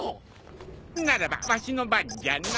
ならばわしの番じゃな。